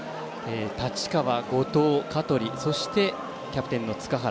太刀川、後藤、香取そしてキャプテンの塚原。